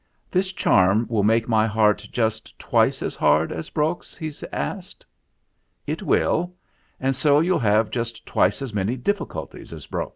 "This charm will make my heart just twice as hard as Brok's ?" he asked. "It will; and so you'll have just twice as many difficulties as Brok."